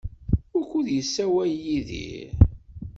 Wukud yessawal Yidir?